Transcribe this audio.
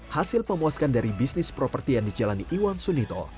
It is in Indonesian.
hasil pemuaskan dari bisnis properti yang dijalani iwan sunita